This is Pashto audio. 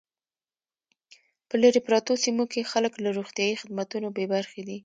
په لري پرتو سیمو کې خلک له روغتیايي خدمتونو بې برخې دي